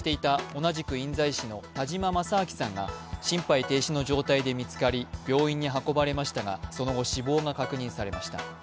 同じく印西市の田嶋正明さんが心肺停止の状態で見つかり、病院に運ばれましたがその後、死亡が確認されました。